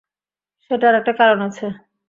সেটার একটা কারণ আছে।